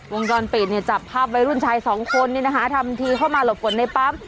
วงจรปิดเนี่ยจับภาพวัยรุ่นชายสองคนทำทีเข้ามาหลบฝนในปั๊ม